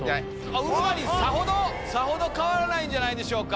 ウルヴァリンさほど変わらないんじゃないでしょうか。